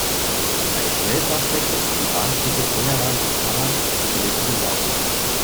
Eine Schnellfahrstrecke, die Bahnstrecke Teheran–Isfahan, befindet sich im Bau.